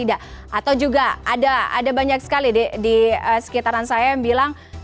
atau juga ada banyak sekali di sekitaran saya yang bilang